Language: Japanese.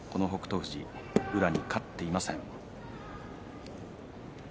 富士宇良に勝っていません。